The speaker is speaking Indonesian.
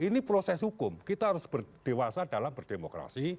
nggak usah berdemokrasi